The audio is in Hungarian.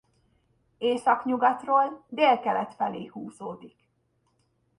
Északnyugatról délkelet felé húzódik.